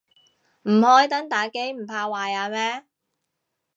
唔開燈打機唔怕壞眼咩